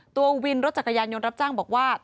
วินรถจักรยานยนต์รับจ้างบอกว่า